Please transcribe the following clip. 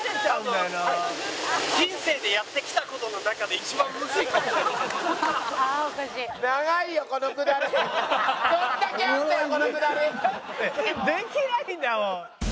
だってできないんだもん。